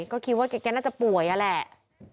ก็คิดว่าแกน่าจะป่วยนั่นแหละ